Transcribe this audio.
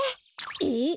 えっ？